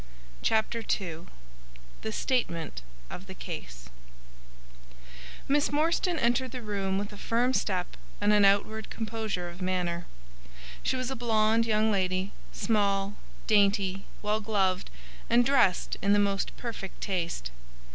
Chapter II The Statement of the Case Miss Morstan entered the room with a firm step and an outward composure of manner. She was a blonde young lady, small, dainty, well gloved, and dressed in the most perfect taste.